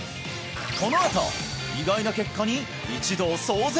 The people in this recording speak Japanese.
このあと意外な結果に一同騒然！